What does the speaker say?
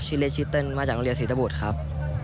ชื่อเล่นชื่อเติ้ลมาจากโรงเรียนศรีตบุตรครับ